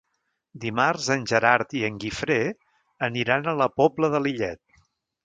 Dimarts en Gerard i en Guifré aniran a la Pobla de Lillet.